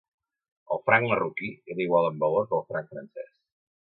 El franc marroquí era igual en valor que el franc francès.